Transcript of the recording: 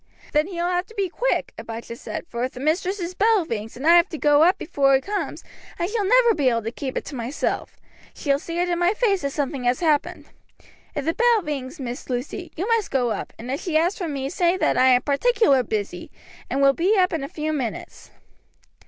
"Then he will have to be quick," Abijah said, "for if the mistress' bell rings, and I have to go up before he comes, I shall never be able to keep it to myself. She will see it in my face that something has happened. If the bell rings, Miss Lucy, you must go up, and if she asks for me, say that I am particular busy, and will be up in a few minutes."